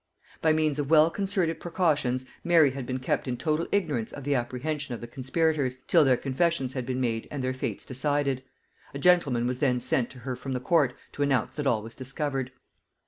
By means of well concerted precautions, Mary had been kept in total ignorance of the apprehension of the conspirators, till their confessions had been made and their fates decided: a gentleman was then sent to her from the court to announce that all was discovered.